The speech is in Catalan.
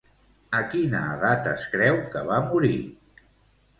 A quina edat es creu que va morir?